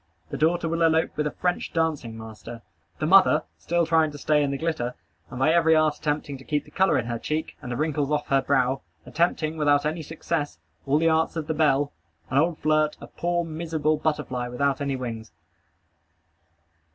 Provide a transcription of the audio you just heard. The daughter will elope with a French dancing master. The mother, still trying to stay in the glitter, and by every art attempting to keep the color in her cheek, and the wrinkles off her brow, attempting, without any success, all the arts of the belle, an old flirt, a poor, miserable butterfly without any wings.